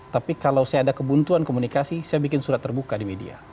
tapi kalau saya ada kebuntuan komunikasi saya bikin surat terbuka di media